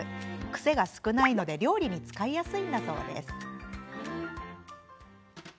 癖が少ないので料理に使いやすいそうです。